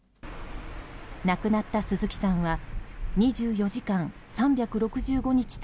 亡くなった鈴木さんは２４時間３６５日